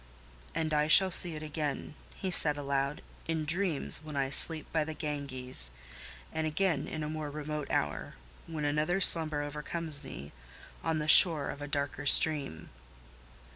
"And I shall see it again," he said aloud, "in dreams when I sleep by the Ganges: and again in a more remote hour—when another slumber overcomes me—on the shore of a darker stream!"